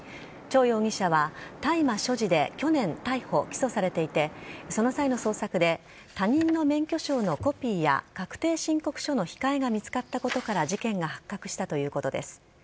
チョウ容疑者は大麻所持で去年、逮捕・起訴されていてその際の捜索で他人の免許証のコピーや確定申告書の控えが見つかったことから事件が発覚したということです。